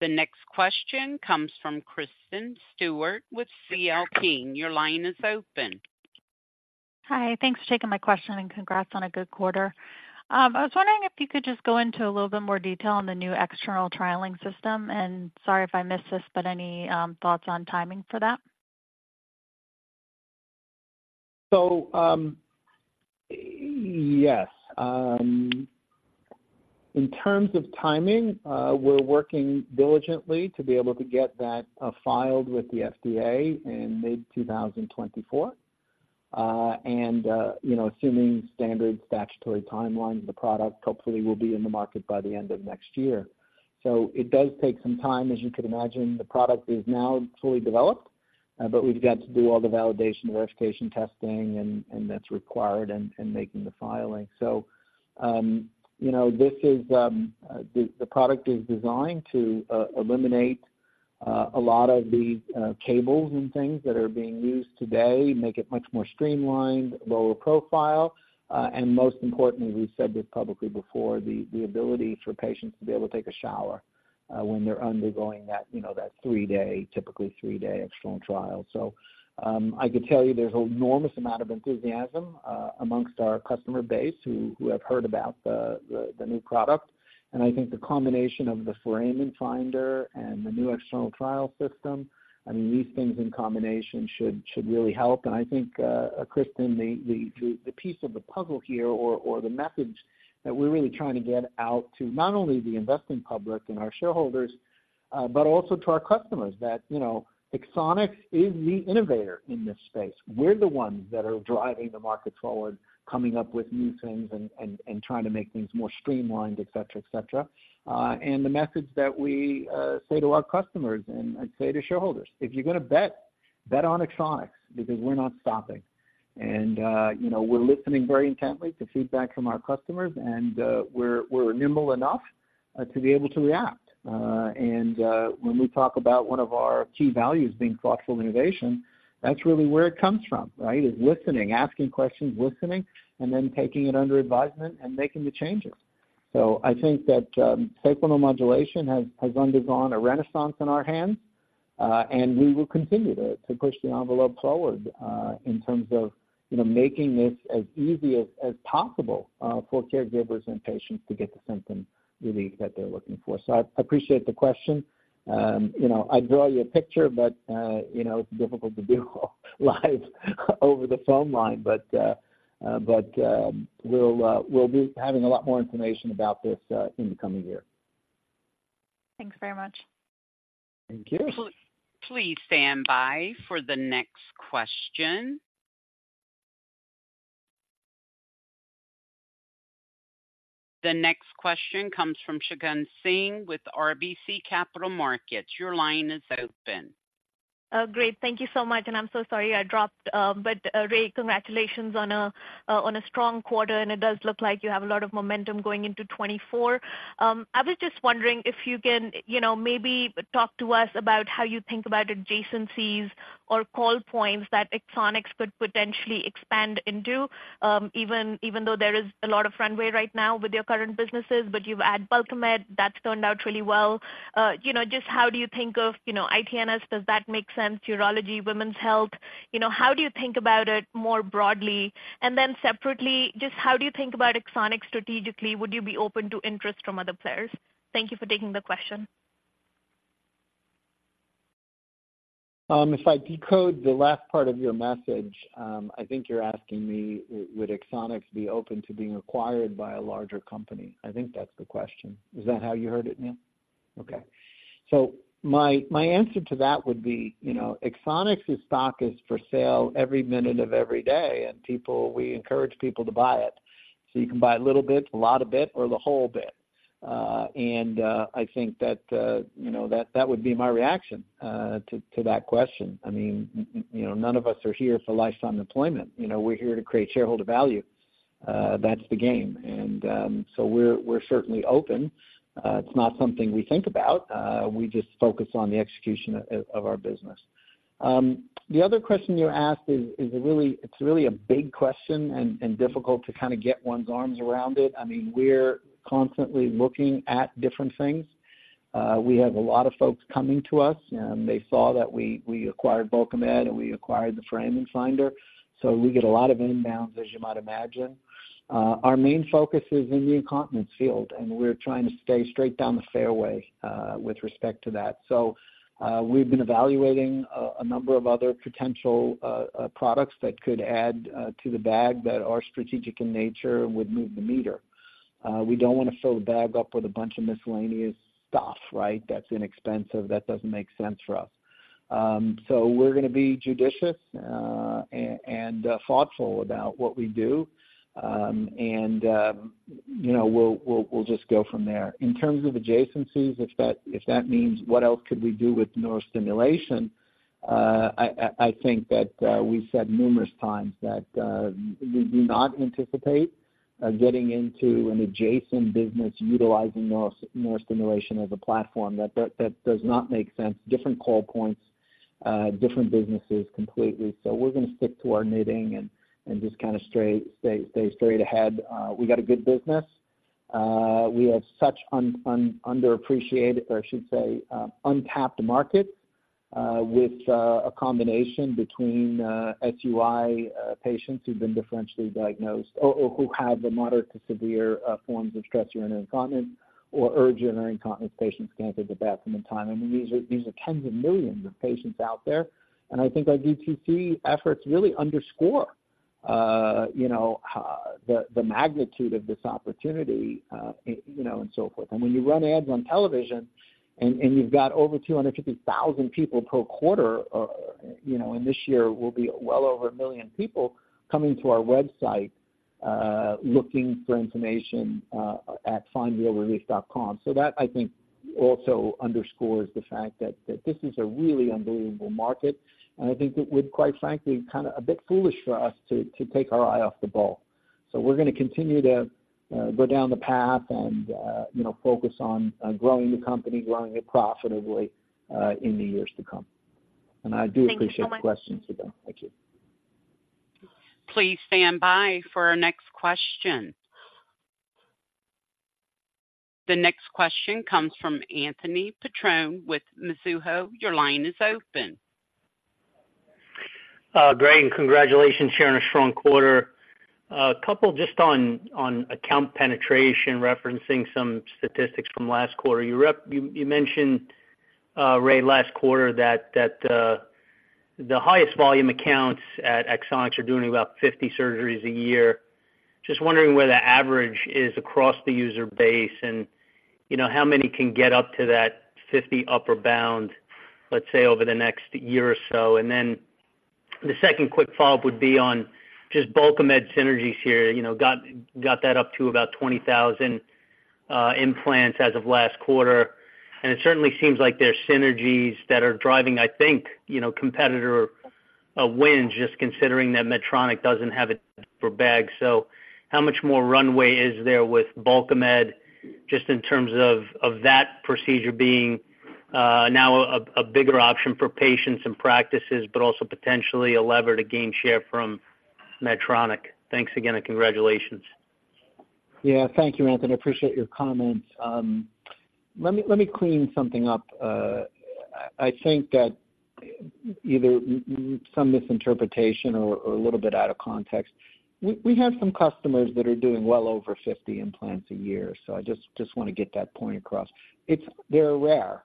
The next question comes from Kristen Stewart with C.L. King. Your line is open. Hi, thanks for taking my question, and congrats on a good quarter. I was wondering if you could just go into a little bit more detail on the new external trialing system, and sorry if I missed this, but any thoughts on timing for that? So, yes. In terms of timing, we're working diligently to be able to get that filed with the FDA in mid-2024. And, you know, assuming standard statutory timelines, the product hopefully will be in the market by the end of next year. So it does take some time, as you could imagine. The product is now fully developed, but we've got to do all the validation, verification testing, and that's required in making the filing. So, you know, this is... The product is designed to eliminate a lot of the cables and things that are being used today, make it much more streamlined, lower profile, and most importantly, we've said this publicly before, the ability for patients to be able to take a shower when they're undergoing that, you know, that three-day, typically three-day external trial. So, I could tell you there's enormous amount of enthusiasm amongst our customer base, who have heard about the new product. And I think the combination of the Foramen Finder and the new External Trial System, I mean, these things in combination should really help. And I think, Kristen, the piece of the puzzle here or the message that we're really trying to get out to not only the investing public and our shareholders, but also to our customers, that, you know, Axonics is the innovator in this space. We're the ones that are driving the markets forward, coming up with new things and trying to make things more streamlined, et cetera, et cetera. And the message that we say to our customers, and I'd say to shareholders, "If you're gonna bet, bet on Axonics, because we're not stopping." And, you know, we're listening very intently to feedback from our customers, and we're nimble enough to be able to react. When we talk about one of our key values being thoughtful innovation, that's really where it comes from, right? It's listening, asking questions, listening, and then taking it under advisement and making the changes. So I think that sacral neuromodulation has undergone a renaissance in our hands, and we will continue to push the envelope forward in terms of, you know, making this as easy as possible for caregivers and patients to get the symptom relief that they're looking for. So I appreciate the question. You know, I'd draw you a picture, but you know, it's difficult to do live over the phone line. But we'll be having a lot more information about this in the coming year. Thanks very much. Thank you. Please stand by for the next question. The next question comes from Shagun Singh with RBC Capital Markets. Your line is open. Great. Thank you so much, and I'm so sorry I dropped. But, Ray, congratulations on a strong quarter, and it does look like you have a lot of momentum going into 2024. I was just wondering if you can, you know, maybe talk to us about how you think about adjacencies or call points that Axonics could potentially expand into, even though there is a lot of runway right now with your current businesses. But you've added Bulkamid, that's turned out really well. You know, just how do you think of, you know, ITNS? Does that make sense? Urology, women's health, you know, how do you think about it more broadly? And then separately, just how do you think about Axonics strategically? Would you be open to interest from other players? Thank you for taking the question. If I decode the last part of your message, I think you're asking me would Axonics be open to being acquired by a larger company? I think that's the question. Is that how you heard it, ma'am? Okay. So my answer to that would be, you know, Axonics' stock is for sale every minute of every day, and people, we encourage people to buy it. So you can buy a little bit, a lot of bit or the whole bit. And I think that, you know, that would be my reaction to that question. I mean, you know, none of us are here for lifetime employment. You know, we're here to create shareholder value. That's the game. And so we're certainly open. It's not something we think about. We just focus on the execution of our business. The other question you asked is really—it's really a big question and difficult to kind of get one's arms around it. I mean, we're constantly looking at different things. We have a lot of folks coming to us, and they saw that we acquired Bulkamid, and we acquired the Foramen Finder. So we get a lot of inbounds, as you might imagine. Our main focus is in the incontinence field, and we're trying to stay straight down the fairway with respect to that. So, we've been evaluating a number of other potential products that could add to the bag that are strategic in nature and would move the meter. We don't want to fill the bag up with a bunch of miscellaneous stuff, right? That's inexpensive. That doesn't make sense for us. So we're gonna be judicious and thoughtful about what we do. You know, we'll just go from there. In terms of adjacencies, if that means what else could we do with neurostimulation, I think that we've said numerous times that we do not anticipate getting into an adjacent business utilizing neurostimulation as a platform. That does not make sense, different call points, different businesses completely. So we're gonna stick to our knitting and just kind of stay straight ahead. We got a good business. We have such underappreciated or I should say untapped markets with a combination between SUI patients who've been differentially diagnosed or who have the moderate to severe forms of stress urinary incontinence or urge urinary incontinence, patients can't get to the bathroom in time. I mean, these are tens of millions of patients out there, and I think our DTC efforts really underscore you know the magnitude of this opportunity you know and so forth. When you run ads on television and you've got over 250,000 people per quarter you know and this year will be well over one million people coming to our website looking for information at findrealrelief.com. So that, I think, also underscores the fact that, that this is a really unbelievable market, and I think it would, quite frankly, kind of a bit foolish for us to, to take our eye off the ball. So we're gonna continue to go down the path and, you know, focus on, on growing the company, growing it profitably, in the years to come. Thank you so much. I do appreciate the question, Shagun. Thank you. Please stand by for our next question. The next question comes from Anthony Petrone with Mizuho. Your line is open. Great, and congratulations on a strong quarter. A couple just on account penetration, referencing some statistics from last quarter. You mentioned, Ray, last quarter that the highest volume accounts at Axonics are doing about 50 surgeries a year. Just wondering where the average is across the user base and, you know, how many can get up to that 50 upper bound, let's say, over the next year or so? And then the second quick follow-up would be on just Bulkamid synergies here. You know, got that up to about 20,000 implants as of last quarter. And it certainly seems like there are synergies that are driving, I think, you know, competitor wins, just considering that Medtronic doesn't have it for FI. So how much more runway is there with Bulkamid, just in terms of, of that procedure being, now a, a bigger option for patients and practices, but also potentially a lever to gain share from Medtronic? Thanks again, and congratulations. Yeah. Thank you, Anthony. I appreciate your comments. Let me clean something up. I think that either some misinterpretation or a little bit out of context. We have some customers that are doing well over 50 implants a year, so I just want to get that point across. It's -- they're rare.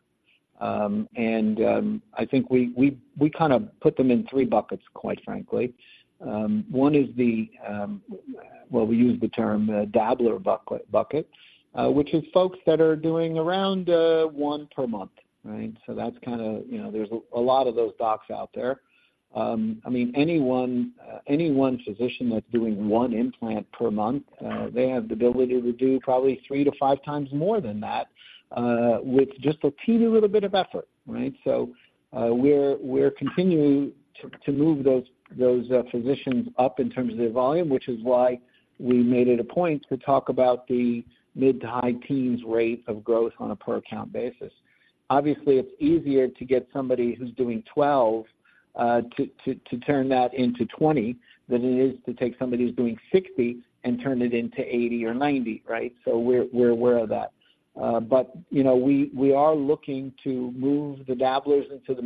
And I think we kind of put them in three buckets, quite frankly. One is, well, we use the term the dabbler bucket, which is folks that are doing around one per month, right? So that's kind of, you know, there's a lot of those docs out there. I mean, anyone, any one physician that's doing one implant per month, they have the ability to do probably three to five times more than that, with just a teeny little bit of effort, right? So, we're continuing to move those physicians up in terms of their volume, which is why we made it a point to talk about the mid- to high-teens rate of growth on a per account basis. Obviously, it's easier to get somebody who's doing 12 to turn that into 20, than it is to take somebody who's doing 60 and turn it into 80 or 90, right? So we're aware of that. But, you know, we are looking to move the dabblers into the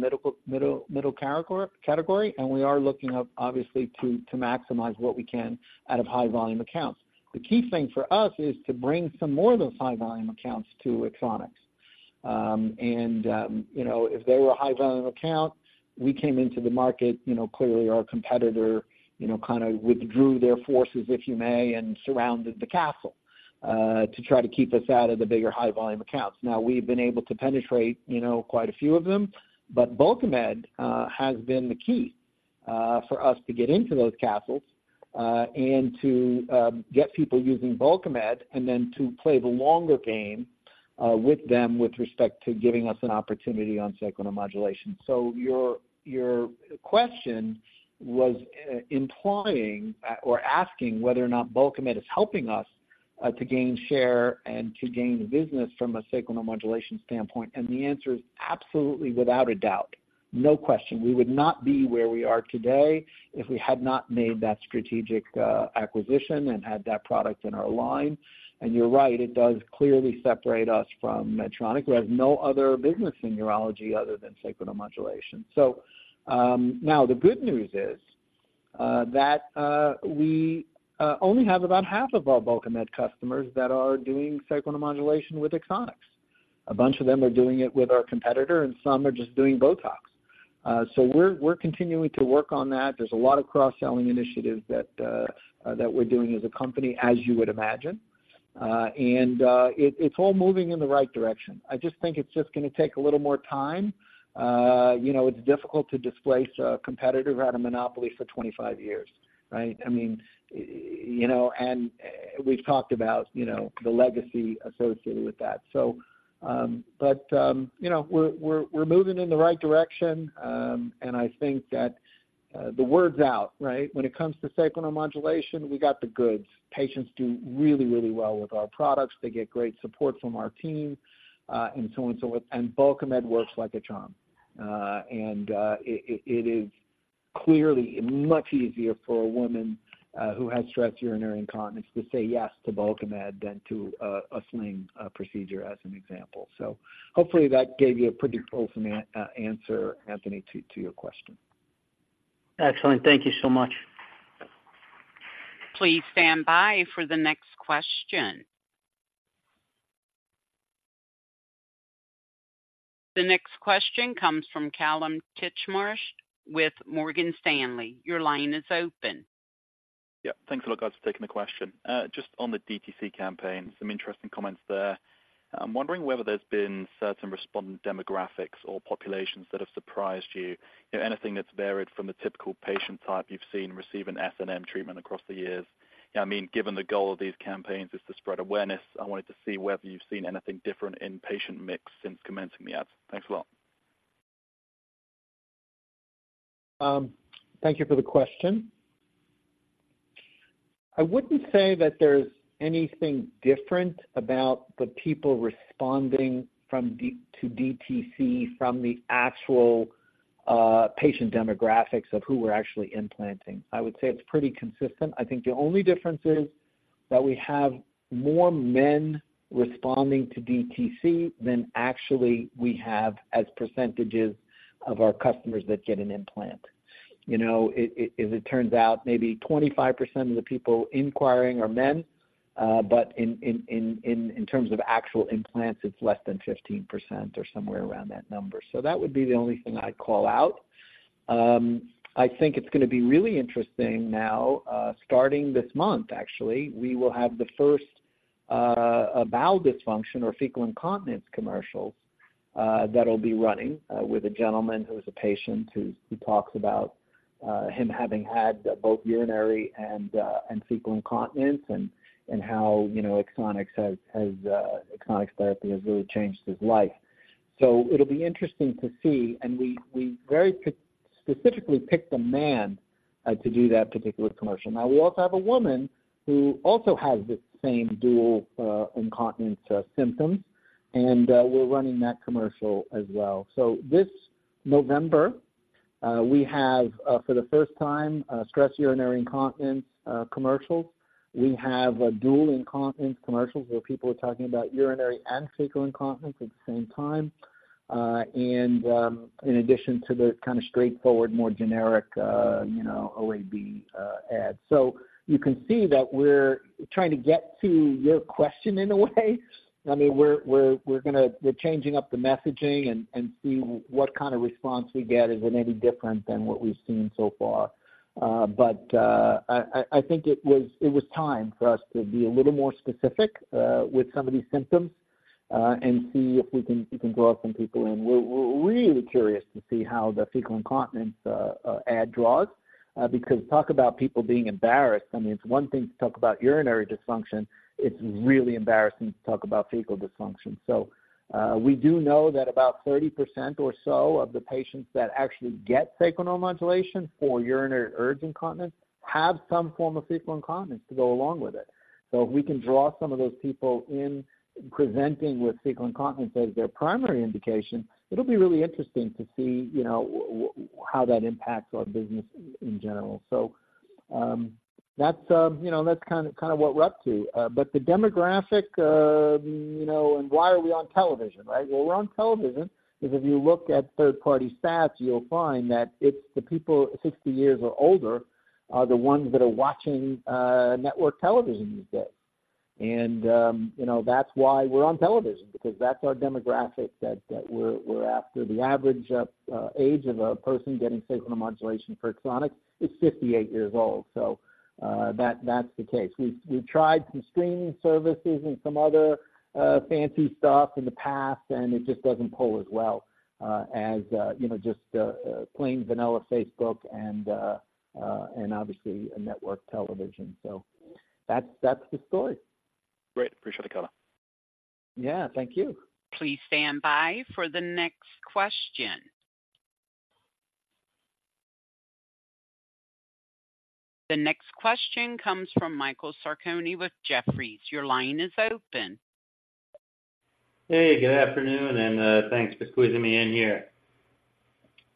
middle core category, and we are looking to, obviously, to maximize what we can out of high volume accounts. The key thing for us is to bring some more of those high volume accounts to Axonics. You know, if they were a high volume account, we came into the market, you know, clearly our competitor, you know, kind of withdrew their forces, if you may, and surrounded the castle to try to keep us out of the bigger, high volume accounts. Now, we've been able to penetrate, you know, quite a few of them, but Bulkamid has been the key for us to get into those castles and to get people using Bulkamid and then to play the longer game with them with respect to giving us an opportunity on sacral neuromodulation. So your question was implying or asking whether or not Bulkamid is helping us to gain share and to gain business from a sacral neuromodulation standpoint, and the answer is absolutely without a doubt, no question. We would not be where we are today if we had not made that strategic acquisition and had that product in our line. And you're right, it does clearly separate us from Medtronic, who has no other business in urology other than sacral neuromodulation. So, now, the good news is, that, we, only have about half of our Bulkamid customers that are doing sacral neuromodulation with Axonics. A bunch of them are doing it with our competitor, and some are just doing Botox. So we're continuing to work on that. There's a lot of cross-selling initiatives that, that we're doing as a company, as you would imagine. And, it, it's all moving in the right direction. I just think it's just gonna take a little more time. You know, it's difficult to displace a competitor who had a monopoly for 25 years, right? I mean, you know, and we've talked about, you know, the legacy associated with that. So, but, you know, we're moving in the right direction, and I think that, the word's out, right? When it comes to sacral neuromodulation, we got the goods. Patients do really, really well with our products. They get great support from our team, and so on and so on. And Bulkamid works like a charm. It is clearly much easier for a woman who has stress urinary incontinence to say yes to Bulkamid than to a sling procedure, as an example. So hopefully, that gave you a pretty full answer, Anthony, to your question. Excellent. Thank you so much. Please stand by for the next question. The next question comes from Kallum Titchmarsh with Morgan Stanley. Your line is open. Yeah, thanks a lot. I'll take the question. Just on the DTC campaign, some interesting comments there. I'm wondering whether there's been certain respondent demographics or populations that have surprised you? You know, anything that's varied from the typical patient type you've seen receive an SNM treatment across the years. I mean, given the goal of these campaigns is to spread awareness, I wanted to see whether you've seen anything different in patient mix since commencing the ads. Thanks a lot. Thank you for the question. I wouldn't say that there's anything different about the people responding from DTC to DTC, from the actual patient demographics of who we're actually implanting. I would say it's pretty consistent. I think the only difference is that we have more men responding to DTC than actually we have as percentages of our customers that get an implant. You know, as it turns out, maybe 25% of the people inquiring are men, but in terms of actual implants, it's less than 15% or somewhere around that number. So that would be the only thing I'd call out. I think it's gonna be really interesting now, starting this month, actually, we will have the first bowel dysfunction or fecal incontinence commercials that'll be running with a gentleman who is a patient, who's he talks about him having had both urinary and fecal incontinence and how, you know, Axonics therapy has really changed his life. So it'll be interesting to see, and we very specifically picked a man to do that particular commercial. Now, we also have a woman who also has the same dual incontinence symptoms, and we're running that commercial as well. So this November, we have, for the first time, stress urinary incontinence commercials. We have dual incontinence commercials, where people are talking about urinary and fecal incontinence at the same time. And, in addition to the kind of straightforward, more generic, you know, OAB, ads. So you can see that we're trying to get to your question in a way, I mean, we're gonna, we're changing up the messaging and see what kind of response we get. Is it any different than what we've seen so far? I think it was time for us to be a little more specific with some of these symptoms and see if we can draw some people in. We're really curious to see how the fecal incontinence ad draws, because talk about people being embarrassed. I mean, it's one thing to talk about urinary dysfunction. It's really embarrassing to talk about fecal dysfunction. So, we do know that about 30% or so of the patients that actually get sacral nerve modulation for urinary urge incontinence have some form of fecal incontinence to go along with it. So if we can draw some of those people in presenting with fecal incontinence as their primary indication, it'll be really interesting to see, you know, how that impacts our business in general. So, that's, you know, that's kind of, kind of what we're up to. But the demographic, you know, and why are we on television, right? Well, we're on television, because if you look at third-party stats, you'll find that it's the people 60 years or older are the ones that are watching, network television these days. And, you know, that's why we're on television because that's our demographic that, that we're, we're after. The average age of a person getting sacral nerve modulation for Axonics is 58 years old, so that's the case. We've tried some streaming services and some other fancy stuff in the past, and it just doesn't poll as well as you know just plain vanilla Facebook and obviously network television. So that's the story. Great. Appreciate the color. Yeah, thank you. Please stand by for the next question. The next question comes from Michael Sarcone with Jefferies. Your line is open. Hey, good afternoon, and, thanks for squeezing me in here.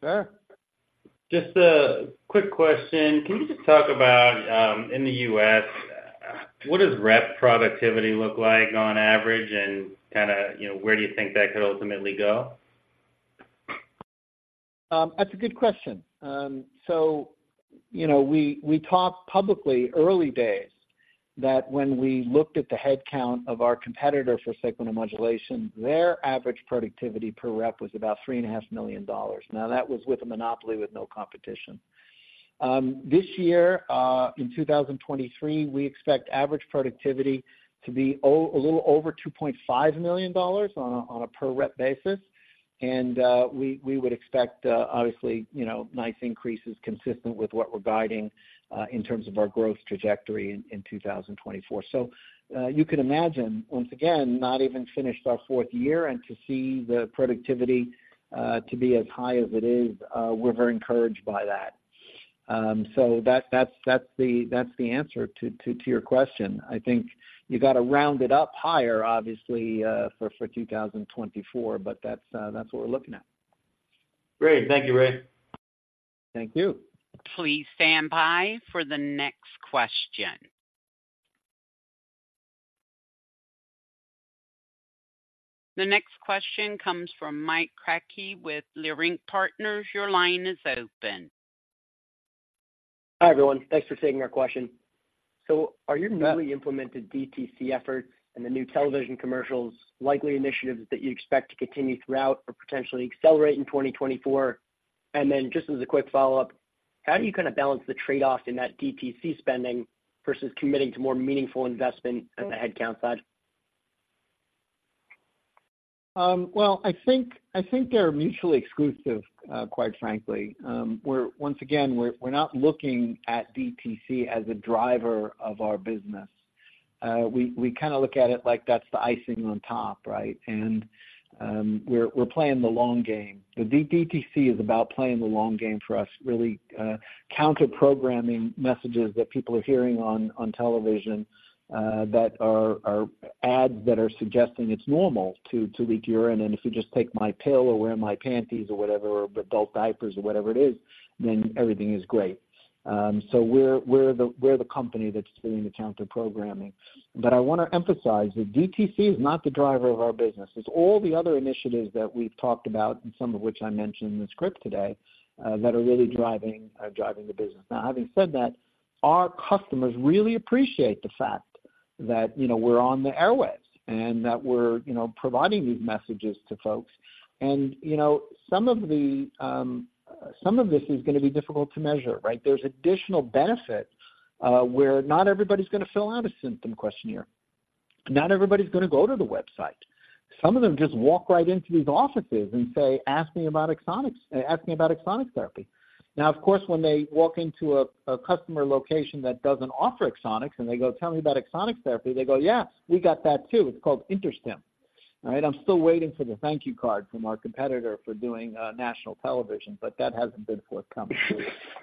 Sure. Just a quick question. Can you just talk about, in the U.S., what does rep productivity look like on average, and kinda, you know, where do you think that could ultimately go? That's a good question. So, you know, we, we talked publicly, early days, that when we looked at the headcount of our competitor for sacral nerve modulation, their average productivity per rep was about $3.5 million. Now, that was with a monopoly, with no competition. This year, in 2023, we expect average productivity to be a little over $2.5 million on a per rep basis. And, we would expect, obviously, you know, nice increases consistent with what we're guiding, in terms of our growth trajectory in 2024. So, you can imagine, once again, not even finished our fourth year, and to see the productivity to be as high as it is, we're very encouraged by that. So that's the answer to your question. I think you've got to round it up higher, obviously, for 2024, but that's what we're looking at. Great. Thank you, Ray. Thank you. Please stand by for the next question. The next question comes from Mike Kratky with Leerink Partners. Your line is open. Hi, everyone. Thanks for taking our question. So are your- You bet... newly implemented DTC efforts and the new television commercials, likely initiatives that you expect to continue throughout or potentially accelerate in 2024? And then, just as a quick follow-up, how do you kind of balance the trade-off in that DTC spending versus committing to more meaningful investment on the headcount side? Well, I think they're mutually exclusive, quite frankly. We're once again not looking at DTC as a driver of our business. We kind of look at it like that's the icing on top, right? And, we're playing the long game. The DTC is about playing the long game for us, really, counterprogramming messages that people are hearing on television that are ads that are suggesting it's normal to leak urine. And if you just take my pill or wear my panties or whatever, or adult diapers or whatever it is, then everything is great. So we're the company that's doing the counterprogramming. But I want to emphasize that DTC is not the driver of our business. It's all the other initiatives that we've talked about, and some of which I mentioned in the script today, that are really driving, driving the business. Now, having said that, our customers really appreciate the fact that, you know, we're on the airwaves and that we're, you know, providing these messages to folks. And, you know, some of the, some of this is gonna be difficult to measure, right? There's additional benefit, where not everybody's gonna fill out a symptom questionnaire. Not everybody's gonna go to the website. Some of them just walk right into these offices and say: Ask me about Axonics, ask me about Axonics therapy. Now, of course, when they walk into a customer location that doesn't offer Axonics, and they go: "Tell me about Axonics therapy," they go, "Yeah, we got that, too. It's called InterStim." Right? I'm still waiting for the thank you card from our competitor for doing national television, but that hasn't been forthcoming.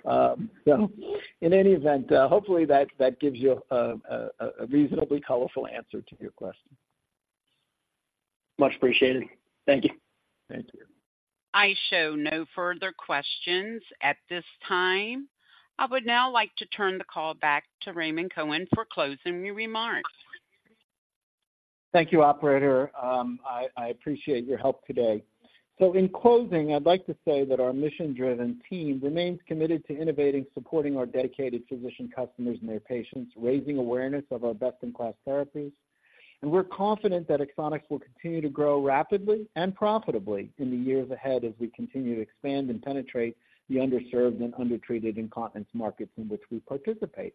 So in any event, hopefully that gives you a reasonably colorful answer to your question. Much appreciated. Thank you. Thank you. I show no further questions at this time. I would now like to turn the call back to Raymond Cohen for closing remarks. Thank you, operator. I appreciate your help today. So in closing, I'd like to say that our mission-driven team remains committed to innovating, supporting our dedicated physician customers and their patients, raising awareness of our best-in-class therapies. And we're confident that Axonics will continue to grow rapidly and profitably in the years ahead as we continue to expand and penetrate the underserved and undertreated incontinence markets in which we participate.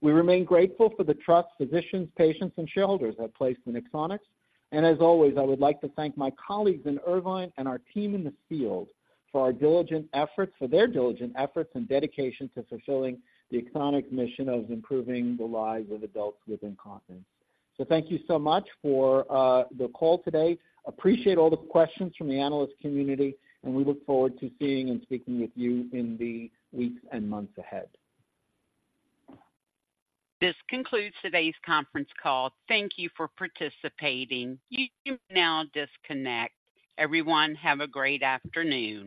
We remain grateful for the trust physicians, patients, and shareholders have placed in Axonics. And as always, I would like to thank my colleagues in Irvine and our team in the field for their diligent efforts and dedication to fulfilling the Axonics mission of improving the lives of adults with incontinence. So thank you so much for the call today. Appreciate all the questions from the analyst community, and we look forward to seeing and speaking with you in the weeks and months ahead. This concludes today's conference call. Thank you for participating. You can now disconnect. Everyone, have a great afternoon.